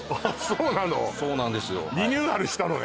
そうなんですよ